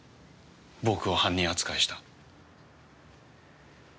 僕を犯人扱いした。